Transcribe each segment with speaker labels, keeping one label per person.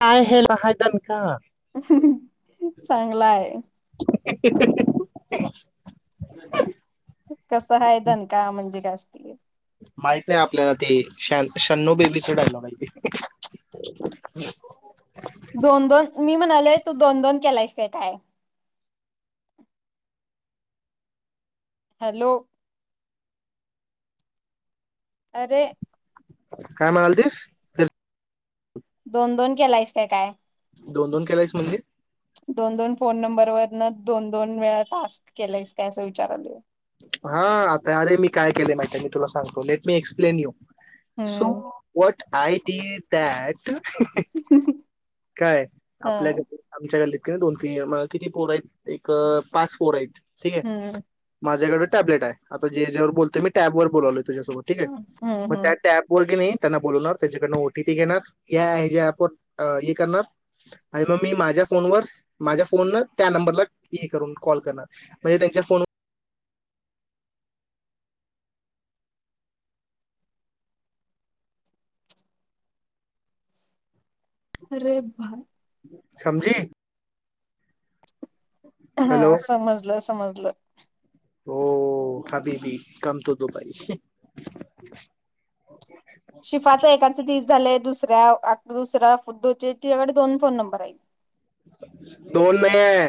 Speaker 1: काय हे महायद
Speaker 2: चांगला आहे.
Speaker 1: [unintelligible]
Speaker 2: कसं आहेायदन का म्हणजे कात
Speaker 1: माहित नाही आपल्याला ते श शन्नू बेबी चडाला माहिती
Speaker 2: दोन दोन मी म्ह तू दोन दोन केला काय? हॅलो. अरे!
Speaker 1: काय मालतीस फ
Speaker 2: दोन दोन केलायस काय काय?
Speaker 1: दोन दोन केलायस म्हणजे
Speaker 2: दोन दोन फोन नंबर वर न दोन दोन वेळा टास्क केलायस काय असं विचारल.
Speaker 1: हा आता अरे मी काय केले माहिती मी तुला सांगतो let me explain you so
Speaker 2: hmm
Speaker 1: what I T त्याॅट काय
Speaker 2: हा
Speaker 1: आपल्याकडे आमच्याकली दोन तीन किती पोर आहेत एक पाच पोर आहेत. ठीक आहे.
Speaker 2: हम्म
Speaker 1: माझ्याकडे टॅबलेट आहे आता जे जेवर बोलतो मी टॅबवर बोलावो. तुझ्यासोबत ठीके
Speaker 2: हम्म
Speaker 1: मग
Speaker 2: हम्म
Speaker 1: त्या टॅप वरी नाही. [unintelligible]
Speaker 2: अरे बाय.
Speaker 1: समजी.
Speaker 2: हा
Speaker 1: हॅलो
Speaker 2: समजलं समजलं. लं.
Speaker 1: हो हाभी भी कामतो दुपारी
Speaker 2: शिफाचा एकाच दिस झाय दुसऱ्या दुसऱ फु दोचे तकडे दोन फोन नंबर आहेत.
Speaker 1: दोन नाही आहे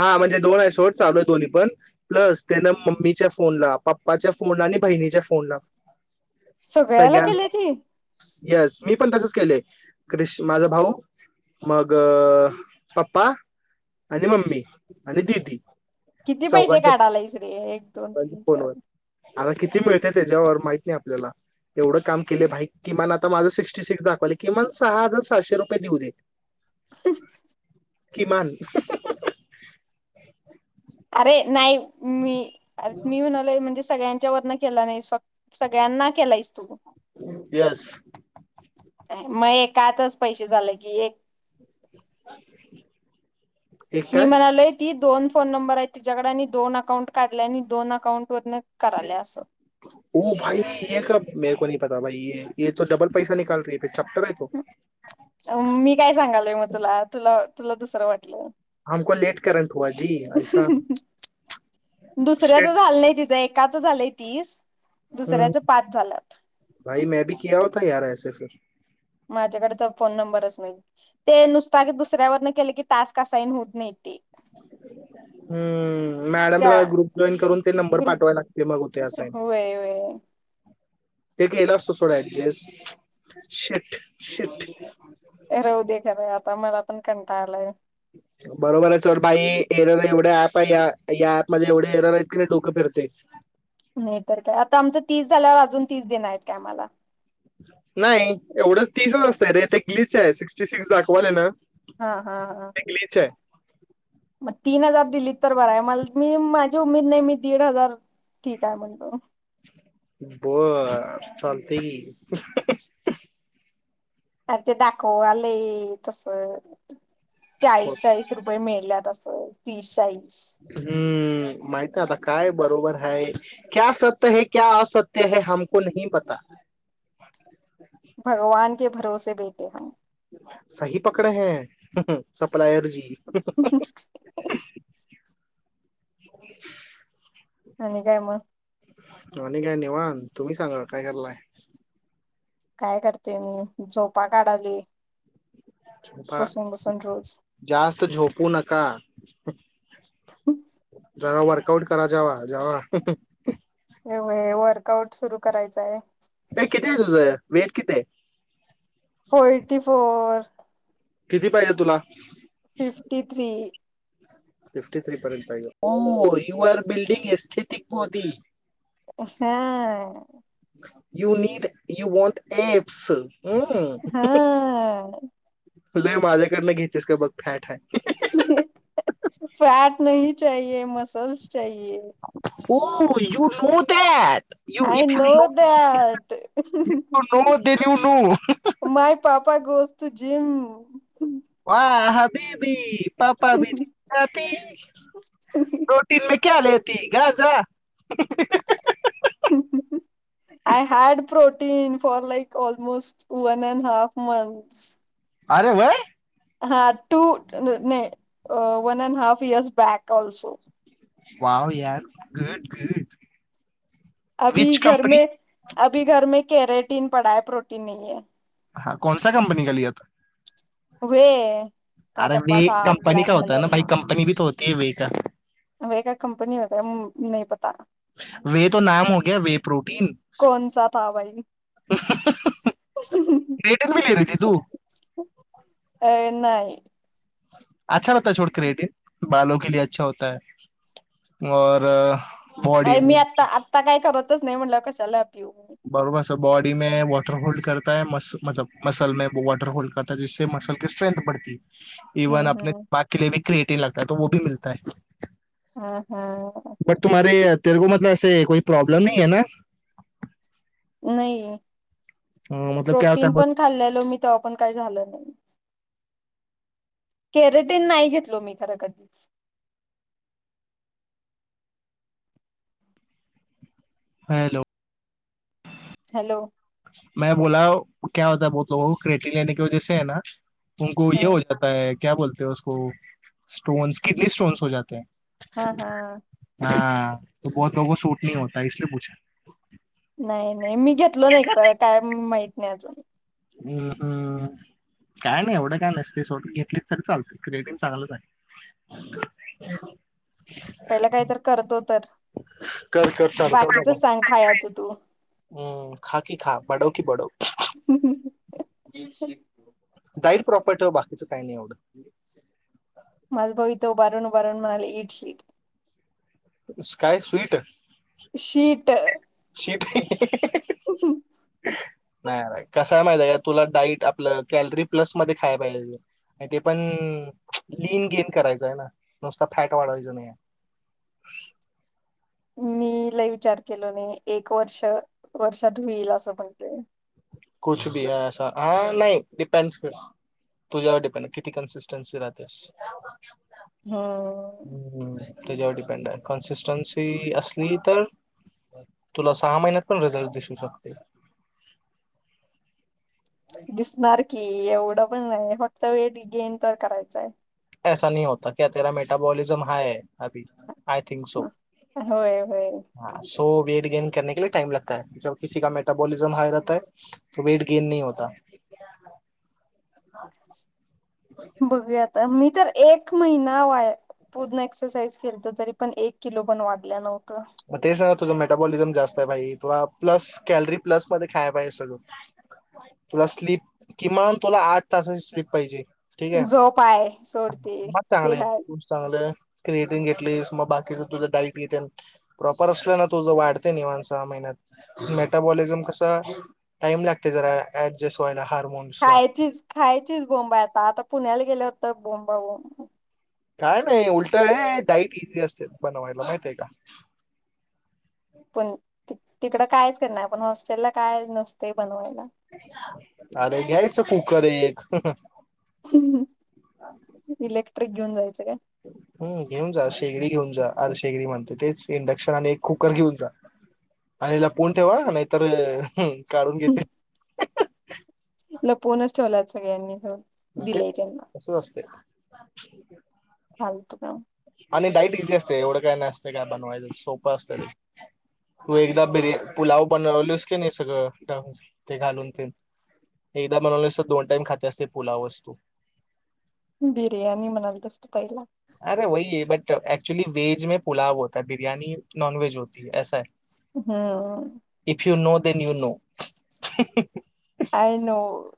Speaker 1: हा म्हणजे दोन आहे शोट चालू आहे दोन्ही पण प्लस त्यान मम्मीच्या फोनला पप्पाच्या फोनला आणि बहिणीच्या फोनला
Speaker 2: सगळ्याला
Speaker 1: सगळ्यां
Speaker 2: केले ती
Speaker 1: यस मी पण त्यासच केलंय क्रिश माझ भाऊ मग पप्पा आणि मम्मी आणि दिीदी
Speaker 2: किती पैसे काढालायस रे एक दोन तीन चार
Speaker 1: फोनवर आता किती मिळते त्याच्यावर माहित नाही आपल्याला एवढं काम केले भाई किमान आता माझ सिक्स्टी सिक्स दाखवाले किमान सहा हजार सहाशे रुपये देऊ दे.
Speaker 2: त
Speaker 1: किमान
Speaker 2: अरे नाही मी अर मी म्हणालाय म्हण सगळ्यांच्या वर न केला नाहीस फत सगळ्यांना केला आहेस तू.
Speaker 1: येस.
Speaker 2: काय तच पैसे झाले की एक
Speaker 1: [inaudible]
Speaker 2: मी
Speaker 1: काय
Speaker 2: म्हणालोय ती दोन फोन नंबर आहे तिच्याकड आणि दोन अकाउंट काढले आणि दोन अकाउंट वरन कराल्या असं
Speaker 1: [unintelligible] [unintelligible] तो
Speaker 2: मी काय सांगायलोय म तुला तुला तुला दुसरं वाटलं.
Speaker 1: [unintelligible] ऐसा
Speaker 2: दुसऱ्याच
Speaker 1: शिट
Speaker 2: झालं नाही तिचं एकाच झालंय. तीस. दुसऱ्याच पाच झाल्यात
Speaker 1: [unintelligible] [unintelligible]
Speaker 2: माझ्याकडे तर फोन नंबरच नाही ते नुसता दुसऱ्यावर केले की टास्क असाईन होत नाहीत.
Speaker 1: हम्म
Speaker 2: त्या
Speaker 1: मॅडमला ग्रुप जॉईन करून ते नंबर
Speaker 2: ग्रुप
Speaker 1: पाठवा लागते मग होते असाईन.
Speaker 2: होय होय
Speaker 1: [unintelligible]
Speaker 2: राहू दे खरं आता मला पण कंटाळा आलाय.
Speaker 1: बरोबर आहे सोड बाई एरर एवढ ऍप आहे या ऍपमध्ये एवढे एरर आहेत की नाही डोकं फिरतय.
Speaker 2: नाहीतर काय आता आमच तीस झाल्यावर अजून तीस देणार यत काय आम्हाला?
Speaker 1: नाही एवढंच तीसच असतंय रे ते ग्लीच आहे सिक्स्टी सिक्स दाखवायल ना.
Speaker 2: हा हा हा
Speaker 1: ते ग्लिच आहे
Speaker 2: मग तीन हजार दिलीत तर बर य म मी माझी उमेद नाही मी दीड हजार ठीक आहे म्हणलो.
Speaker 1: बर चालतय की.
Speaker 2: अरे ते दाखव आलय तस.
Speaker 1: हो.
Speaker 2: चाळीस चाळीस रुप मेल्यात अस तीस -चाळीस
Speaker 1: हम्म माहितय आता काय [unintelligible]
Speaker 2: भगवान के [unintelligible]
Speaker 1: [unintelligible] [inaudible] [inaudible]
Speaker 2: आणि काय मग?
Speaker 1: आणि काय निवांत तुम्ही सांगा काय करायलाय?
Speaker 2: काय करते मी झोपा काढायली.
Speaker 1: पा जास्त झोपू नका जरा वर कआउट करा जावा जावा.
Speaker 2: एवय वर्कआउट सुरू करायचंय
Speaker 1: ते किती आहे तुझ वेट किती
Speaker 2: फोर्टी फोर
Speaker 1: किती पाहिजे तुला
Speaker 2: फिफ्टी थ्री
Speaker 1: फिफ्टी थ्री पर्यंत पाहिजे यू आर बिल्डिंग एस्थितिकती
Speaker 2: हा
Speaker 1: you need you want apps hmm
Speaker 2: हाँ
Speaker 1: ल माझ्याकडनं घेतेस का बघ फॅट आहे
Speaker 2: फॅट नाही चे मसलस ए
Speaker 1: यू त ते
Speaker 2: I know that
Speaker 1: if you know then you know
Speaker 2: my पापा गोष्ट त जे
Speaker 1: अ ह बेबी पापाी दिात रोटी क्या लती गझ
Speaker 2: I had pro fun for like almost one and half months
Speaker 1: अरे भाय
Speaker 2: हा two one a half years back also
Speaker 1: wow यार घट घट
Speaker 2: अभी घर मे अभी घर मे कॅरेट प्रोटन पडाय प्रोटीन नाहीे
Speaker 1: हा कोणसा कंपनी का लियाता
Speaker 2: व
Speaker 1: अरे मी कंपनी का होत ना बाई
Speaker 2: का
Speaker 1: कंपनी बीच होत ते ब का
Speaker 2: वे का कंपनी होता नाही पता
Speaker 1: वे तो नाम होग्या वे प्रोटीन
Speaker 2: कोणचा था बाई
Speaker 1: रेटन भी ल र ती तू
Speaker 2: अ नाही.
Speaker 1: [unintelligible]
Speaker 2: अरे मी आता आत्ता काय करत च नाही म्हटलं कशाला पिऊ. मी.
Speaker 1: [unintelligible] [unintelligible]
Speaker 2: हम्म हम्म
Speaker 1: [unintelligible]
Speaker 2: हा हा.
Speaker 1: बट [unintelligible]
Speaker 2: [unintelligible]
Speaker 1: मतलब क्या होता
Speaker 2: प्रोटीन
Speaker 1: है बहुत-
Speaker 2: पण खाल्लो मी तेव्हा पण काही झालं नाही. कॅरेटीन नाही घेतलो मी खरं कधीच.
Speaker 1: [unintelligible]
Speaker 2: हॅलो.
Speaker 1: [unintelligible]
Speaker 2: हा
Speaker 1: [unintelligible] [unintelligible]
Speaker 2: हा हा.
Speaker 1: [unintelligible]
Speaker 2: नाही नाही मी घेतलो नाही खरं काय माहित नाही अजून.
Speaker 1: हम्म हम्म काय नाही एवढं काय नसते सोट घेतलीच तरी चालते क्रिएटिंग चांगलं आहे.
Speaker 2: पहिला काही तर करतो तर
Speaker 1: कर कर चालू
Speaker 2: बाकीच
Speaker 1: बाबा
Speaker 2: सांग खायचं तू
Speaker 1: हम्म खा की खा. वाढव की वाढव.
Speaker 2: [unintelligible]
Speaker 1: डाईट प्रॉपर्टी बाकीचं काही नाही एवढं.
Speaker 2: माझा भाव हित उभा राहून राहून म्हणाले eat sheet
Speaker 1: sky sweet.
Speaker 2: Sheet
Speaker 1: sheet. [unintelligible] नाही कसा आहे माहि या तुला डाईट आपलं कॅलरी प्लस मध्ये खायला पाहिजे आणि ते पण गेन करायचं आहे ना नुसता फॅट वाढवायच नाही.
Speaker 2: मी लय विचार केला नाही एक वर्ष वर्षात होईल असं म्हणतेय
Speaker 1: [unintelligible] तुझ्यावर डिपेंड किती कन्सिस्टन्सी राहतेस.
Speaker 2: हा.
Speaker 1: त्याच्यावर डिपेंड आहे कन्सिस्टन्सी असली तर तुला सहा महिन्यात पण रिझल्ट दिसू शकते.
Speaker 2: दिसणार की एवढं पण नाही फक्त वेट गेन तर करायचंय.
Speaker 1: [unintelligible] सो
Speaker 2: होय, होय.
Speaker 1: [unintelligible]
Speaker 2: बघूया आता मी तर एक महिना वाय पूर्ण एक्सरसाइज केलतो तरी पण एक किलो पण वाढल्या नव्ह
Speaker 1: मग ते स तुझा मेटाबोलिजम जास्त आहे बाई, तुला प्लस कॅलरीप्लस मध्ये खाया पाहिजे सगळं. प्लस स्लिप किमान तुला आठ तासाची स्लिप पाहिजे. ठीक आहे
Speaker 2: झोप हाय सोडती ते हाय
Speaker 1: क्रिएटिंग घेटलीस, मग बाकीच तुझं डाईट घे त्या प्रॉपर असलं ना तुझ वाढतंय निवांत सहा महिन्यात. मेटाबॉलिझम कसं टाइम लागते जरा ऍडजस्ट व्हायला हार्मोन्सला
Speaker 2: खायचीच खायचीच बोंब हाय आता आता पुण्याला गेल्यावर तर बोंबाबोंब
Speaker 1: काय नाही उलट ये डाईट इझी असते बनवायला, माहितये का?
Speaker 2: पण तिकडं कायच केलं नाही, पण हॉस्टेलला काय नसते बनवायला.
Speaker 1: अरे घ्यायचं की खरे एक
Speaker 2: [inaudible] ईलेक [unintelligible] घेऊन जायचं काय?
Speaker 1: हम्म घेऊन जा, शेगडी घेऊन जा. अरे शेगडी म्हणतोय, तेच इंडक्शन आणि एक कुकर घेऊन जा आणि लपवून ठेवा हा नाहीतर काढून घेतील
Speaker 2: लपूनच ठेवलाय सगळ्यांनी, हो.
Speaker 1: तेच
Speaker 2: दिलंय त्यांना
Speaker 1: तसंच असतंय. [unintelligible]
Speaker 2: फालतू काम
Speaker 1: आणि डाईट इझी असते एवढं काय नाही असतंय काय बनवायचं. सोपं प असतंय लई. तु एकदा बिर पुलाव बनवलीस की नाही सगळं ते घालून तेन एकदा बनवलेस दोन टाइम खात्यास ते पुलाव असतो.
Speaker 2: बिर्याणी म्हणाल तसं
Speaker 1: [unintelligible] [unintelligible]
Speaker 2: हम्म.
Speaker 1: [unintelligible]
Speaker 2: आय नो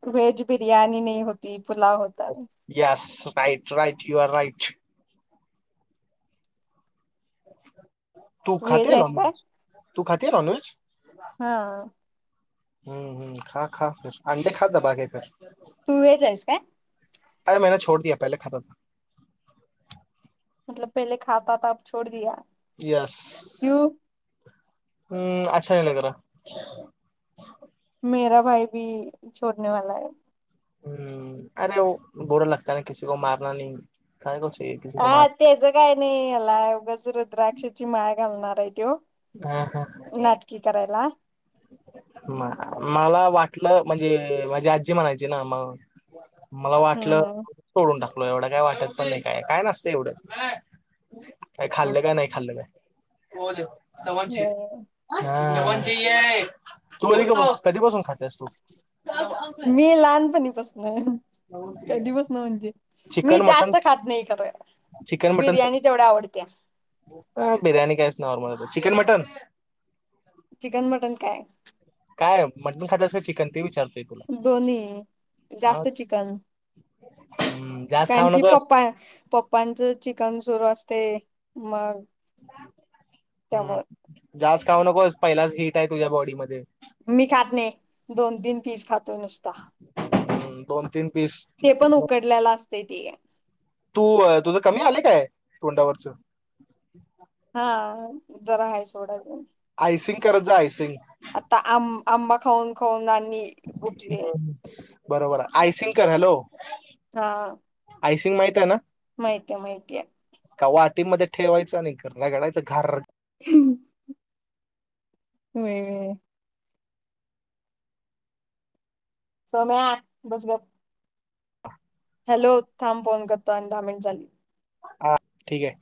Speaker 2: [unintelligible] होता
Speaker 1: [unintelligible] [inaudible] तू
Speaker 2: व्हेज
Speaker 1: खाते
Speaker 2: आहेस काय
Speaker 1: नॉनव्हेज तू खाते नॉनव्हेज.
Speaker 2: हा
Speaker 1: हम्म खा खा अंडेे खा ता बागे कर.
Speaker 2: तू व्हेज आहेस काय?
Speaker 1: अरे मैने छोड द पहिले खातम [unintelligible]
Speaker 2: मतलब पहिले खातात अ ोड द [unintelligible]
Speaker 1: येस [unintelligible] हम्म अच्छा नाही लगरा
Speaker 2: मेरा भाई भी छोडने वाला हे.
Speaker 1: हम्म अरे बुरा लागता है ना किसी को मारना नाही काय क
Speaker 2: हा त्याच काय नाही याला उगच रुद्राक्षाची माळ घालणार आहे त्यो नाटकी करायला
Speaker 1: मला वाटल म्हणजे माझी आजी म्हणायची ना मग मला वाटलं
Speaker 2: हम्म
Speaker 1: सोडून टाक. एवढं काय वाटत पण नाही काय काय नसत एवढं काय खाल्लं काय नाही खाल्लं काय. तवाचेच तू बली ग बाची आय कधीपासून खातेस तू दवन
Speaker 2: मी लहानपणीपसन
Speaker 1: चाहिए
Speaker 2: कधी बस ना म्हणजे मी
Speaker 1: चिकन मटन
Speaker 2: जास्त खात नाही खर
Speaker 1: चिकन मटन
Speaker 2: बिर्याणी तेवढ आवडत्या.
Speaker 1: बिरणी कायच normal chicken mutton
Speaker 2: chicken mutton काय?
Speaker 1: काय मटन खात्यास का चिकन ते विचारलो.
Speaker 2: दोन्ही जास्त चिकन
Speaker 1: हम्म, जास्त
Speaker 2: कारण
Speaker 1: खाऊ
Speaker 2: की
Speaker 1: नकोस
Speaker 2: पप्पाचं चिकन सुरू असतय मग.
Speaker 1: हम्म.
Speaker 2: त्यामुळे
Speaker 1: जास्त खाऊ नकोस पहिलाच हीट आहे तुझ्या बॉडी मध्ये
Speaker 2: मी खात नाही दोन तीन पीस खातो. नुसता
Speaker 1: दोन तीन पीस
Speaker 2: ते पण उकडलेला असत. [unintelligible]
Speaker 1: तू तुझं कमी आले काय तोंडावरच
Speaker 2: हा जरा आहे सोड आता
Speaker 1: आयसिंग करत जा आयसिंग.
Speaker 2: आता आं आंबा खाऊन खाऊन आणि उठले.
Speaker 1: हम्म. बरोबर आहे आयसिंकर हॅलो.
Speaker 2: हा
Speaker 1: सिंग माहित आहे ना?
Speaker 2: माहिती माहितीय
Speaker 1: टिक मध्ये ठेवायं आणि रगडायच घार
Speaker 2: हम्म. होय होय. सम्या बस गप्प. हॅलो थांब फोन करतो आणि दहा मिनट झाली.
Speaker 1: हा ठीक आहे.